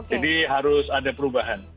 jadi harus ada perubahan